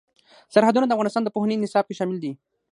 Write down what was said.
سرحدونه د افغانستان د پوهنې نصاب کې شامل دي.